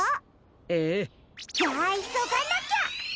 ええ。じゃあいそがなきゃ！